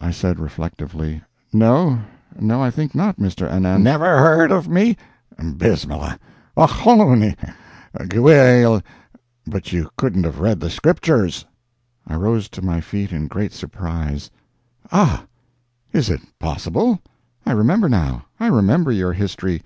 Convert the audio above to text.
I said, reflectively, "No—no—I think not, Mr. Anan "Never heard of me! Bismillah! Och hone! gewhil—. But you couldn't have read the Scriptures!" I rose to my feet in great surprise: "Ah—is it possible?—I remember now—I remember your history.